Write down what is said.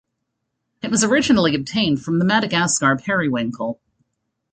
It was originally obtained from the Madagascar periwinkle.